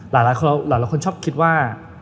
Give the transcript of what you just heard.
หลายคนชอบคิดว่า